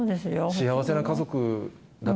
幸せな家族だった。